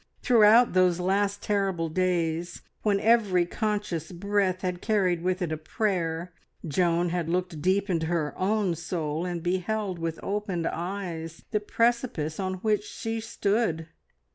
Throughout those last terrible days, when every conscious breath had carried with it a prayer, Joan had looked deep into her own soul and beheld with opened eyes the precipice on which she stood.